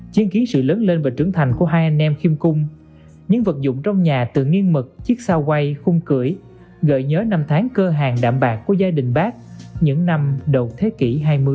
tên và trưởng thành của hai anh em khiêm cung những vật dụng trong nhà từ nghiêng mực chiếc xao quay khung cửi gợi nhớ năm tháng cơ hàng đạm bạc của gia đình bác những năm đầu thế kỷ hai mươi